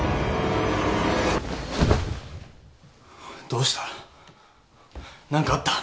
どうした？